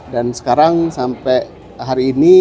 dan sekarang sampai hari ini